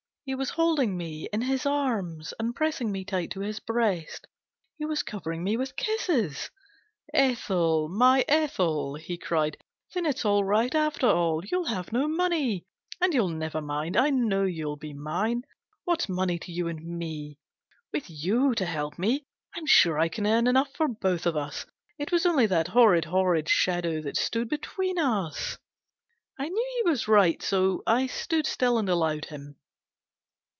He was holding me in his arms, and pressing me tight to his breast. He was covering me with kisses. " Ethel my Ethel !" he cried ;" then it's all right, after all ! Youll have no money ! And you'll never mind ! I know you'll be mine ! What's money to you and me? With you to help me, I'm sure I can earn enough for both of us. It was only that horrid, horrid shadow that stood between us !" I knew he was right, so I stood still and allowed him.